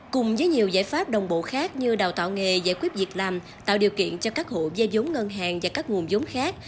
cùng với nhiều giải pháp đồng bộ khác như đào tạo nghề giải quyết việc làm tạo điều kiện cho các hộ gia giống ngân hàng và các nguồn giống khác